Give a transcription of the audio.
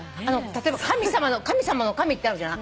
例えば神様の「神」ってあるじゃん。